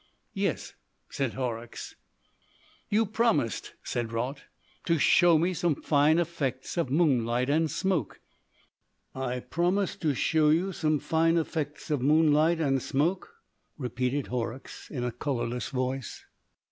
"Yes," said Horrocks. "You promised," said Raut, "to show me some fine effects of moonlight and smoke." "I promised to show you some fine effects of moonlight and smoke," repeated Horrocks in a colourless voice.